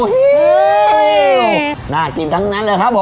หน้าจิ้นทั้งนั้นเลยครับ